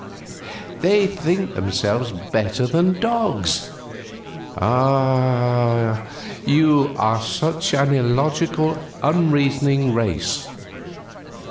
They think themselves better than dogs. Ah, you are such an illogical, unreasoning race!